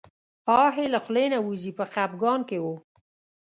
آه یې له خولې نه وځي په خپګان کې و.